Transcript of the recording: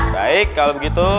baik kalau begitu